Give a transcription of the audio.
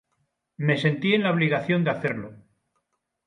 Me sentí en la obligación de hacerlo".